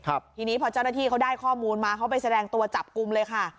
ทีนี้พอเจ้าหน้าที่เขาได้ข้อมูลมาเขาไปแสดงตัวจับกลุ่มเลยค่ะ